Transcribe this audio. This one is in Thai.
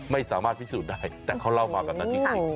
ไม่สามารถพิสูจน์ได้แต่เขาเล่ามาแบบนั้นจริง